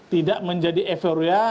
tidak menjadi eforia